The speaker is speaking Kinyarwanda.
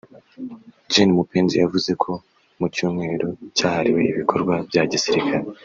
Gen Mupenzi yavuze ko mu cyumweru cyahariwe ibikorwa bya gisirikare